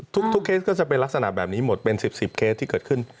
เคสก็จะเป็นลักษณะแบบนี้หมดเป็น๑๐เคสที่เกิดขึ้น